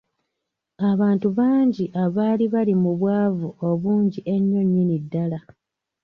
Abantu bangi abaali bali mu bwavu obungi ennyo nnyini ddala.